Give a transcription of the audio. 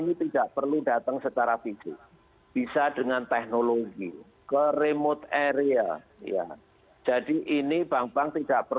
nah biasanya harus didatengin secara fisik